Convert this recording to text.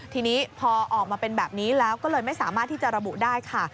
ทีนี้พอออกมาเป็นแบบนี้แล้วก็เลยไม่สามารถที่จะระบุได้ค่ะ